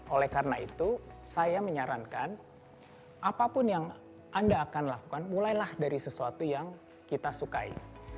oleh karena itu saya menyarankan apapun yang anda akan lakukan mulailah dari sesuatu yang kita sukai